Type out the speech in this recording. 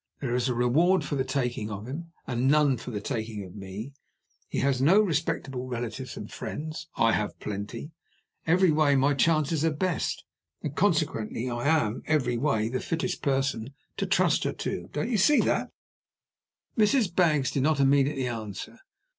There is a reward for the taking of him, and none for the taking of me. He has no respectable relatives and friends, I have plenty. Every way my chances are the best; and consequently I am, every way, the fittest person to trust her to. Don't you see that?" Mrs. Baggs did not immediately answer.